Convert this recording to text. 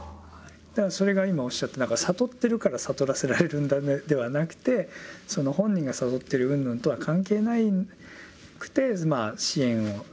だからそれが今おっしゃった悟ってるから悟らせられるんだではなくてその本人が悟ってるうんぬんとは関係なくてまあ支援を。